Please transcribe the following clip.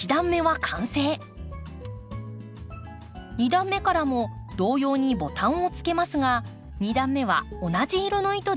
２段目からも同様にボタンをつけますが２段目は同じ色の糸で編み込みます。